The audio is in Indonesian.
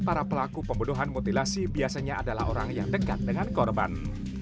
para pelaku pembunuhan mutilasi biasanya adalah orang yang dekat dengan korban